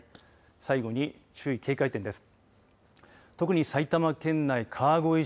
最後に注意、警戒点です。